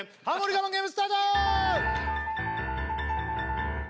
我慢ゲームスタート！